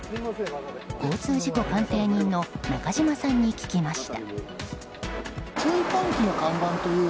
交通事故鑑定人の中島さんに聞きました。